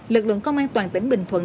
lực lượng công an toàn tỉnh bình thuận